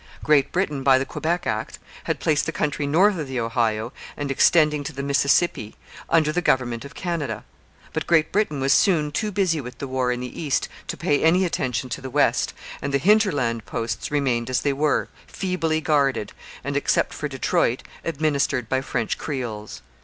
Great Britain by the Quebec Act had placed the country north of the Ohio and extending to the Mississippi under the government of Canada. But Great Britain was soon too busy with the war in the east to pay any attention to the west, and the hinterland posts remained as they were, feebly guarded and, except for Detroit, administered by French creoles.